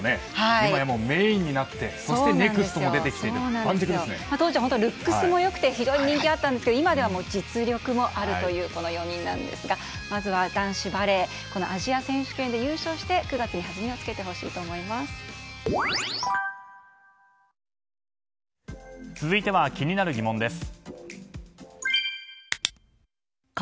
今やメインになってそして、ネクストも出てきて当時はルックスも良くて非常に人気があったんですが今では実力があるというこの４人ですがまずは男子バレーアジア選手権で優勝して９月に弾みをつけてもらいたいと続いては、気になるギモンです。